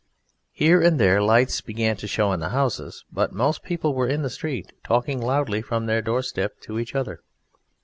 Here and there lights began to show in the houses, but most people were in the street, talking loudly from their doorsteps to each other.